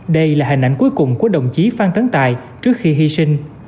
đây là hình ảnh cuối cùng của đồng chí phan tấn tài trước khi hy sinh